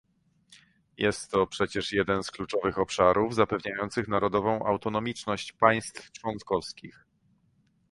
Jest to przecież jeden z kluczowych obszarów zapewniających narodową autonomiczność państw członkowskich